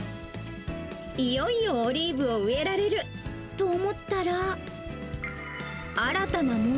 いよいよオリーブを植えられると思ったら。